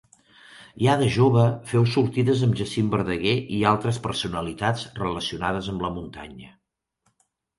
Ja de jove féu sortides amb Jacint Verdaguer i altres personalitats relacionades amb la muntanya.